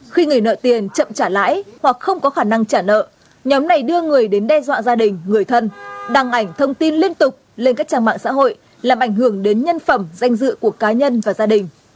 khi người nợ tiền chậm trả lãi hoặc không có khả năng trả nợ nhóm này đưa người đến đe dọa gia đình người thân đăng ảnh thông tin liên tục lên các trang mạng xã hội làm ảnh hưởng đến nhân phẩm danh dự của cá nhân và gia đình